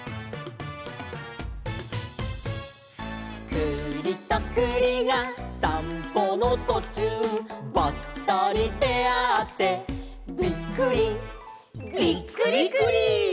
「くりとくりがさんぽのとちゅう」「ばったりであってびっくり」「びっくりくり」